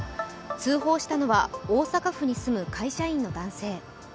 通報したのは大阪府に住む会社員の男性。